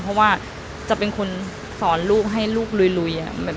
เพราะว่าจะเป็นคนสอนลูกให้ลูกลุย